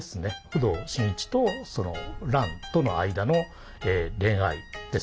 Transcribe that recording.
工藤新一とその蘭との間の恋愛ですね。